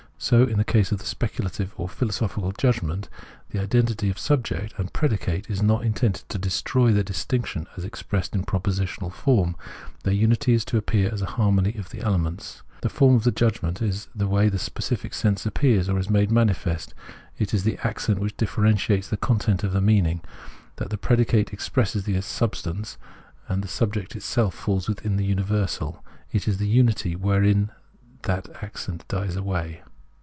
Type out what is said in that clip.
So in the case of the speculative or philosophical judg ment ; the identity of subject and predicate is not intended to destroy their distinction, as expressed in propositional form ; their unity is to appear as a harmony of the elements. The form of the judgment is the way the specific sense appears, or is made mani fest, it is the accent which differentiates the content of its meaning : that the predicate expresses the substance, and the subject itself falls within the uni versal, is the unity wherein that accent dies aAvay.